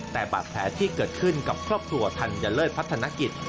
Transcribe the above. แต่บาดแผลที่เกิดขึ้นกับครอบครัวธัญเลิศพัฒนกิจ